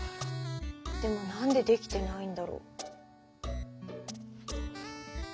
でも何でできてないんだろう。